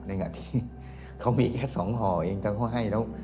ในขณะที่เขามีแค่สองห่อเองก็ให้